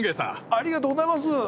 ありがとうございます。